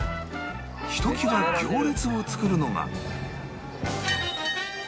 ひときわ行列を作るのが